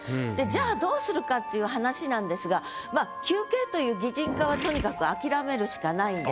じゃあどうするかっていう話なんですがまあ休憩という擬人化はとにかくそうなんだ。